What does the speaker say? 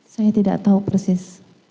saya tidak tahu persis